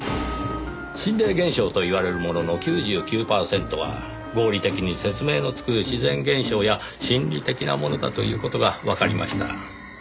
心霊現象と言われるものの９９パーセントは合理的に説明のつく自然現象や心理的なものだという事がわかりました。